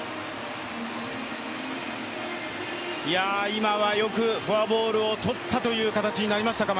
今はよくフォアボールを取ったという形になりましたか？